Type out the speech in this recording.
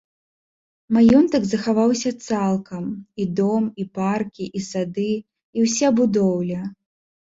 Маёнтак захаваўся цалкам, і дом, і паркі, і сады, і ўся будоўля.